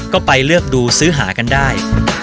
ก็ไปเลือกดูซื้อหากันได้